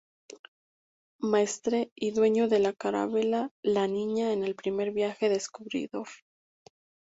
Maestre y dueño de la carabela "la Niña" en el primer viaje descubridor.